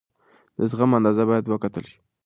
د زغم اندازه باید وکتل شي.